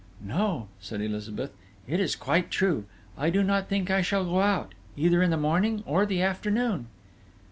"No," said Elizabeth. "It is quite true.... I do not think I shall go out, either in the morning or the afternoon."